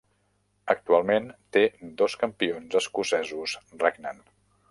Actualment, té dos campions escocesos regnant.